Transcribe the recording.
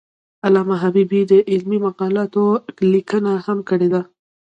علامه حبیبي د علمي مقالو لیکنه هم کړې ده.